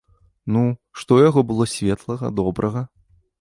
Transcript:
Ну, што ў яго было светлага, добрага?